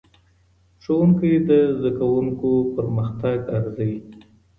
ښوونکی د زدهکوونکو پرمختګ ارزوي.